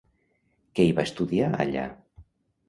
Què hi va estudiar allà?